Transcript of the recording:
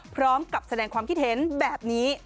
พร้อมกับแสดงความคิดเห็นแบบนี้